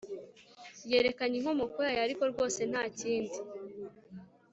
yerekanye inkomoko yayo ariko rwose ntakindi